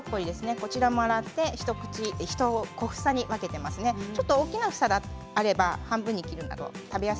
こちらも洗って小房に分けてあります。